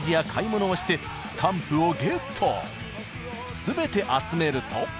全て集めると。